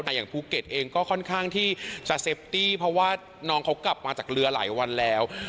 แต่อย่างภูเก็ตเองก็ค่อนข้างที่จะเซฟตี้เพราะว่าน้องเขากลับมาจากเรือหลายวันแล้ว